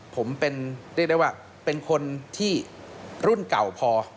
ผมเป็นเรียกได้ว่าเป็นคนที่รุ่นเก่าพอ